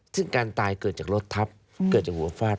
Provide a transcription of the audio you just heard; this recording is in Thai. ซึ่งการตายเกิดจากรถทับเกิดจากหัวฟาด